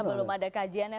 belum ada kajiannya